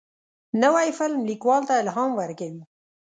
نوی قلم لیکوال ته الهام ورکوي